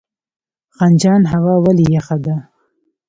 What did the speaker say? خنجان هوا ولې یخه ده؟